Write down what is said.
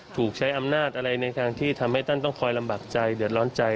ถูกใช้อำนาจอะไรในทางที่ทำให้ท่านต้องคอยลำบากใจเดือดร้อนใจ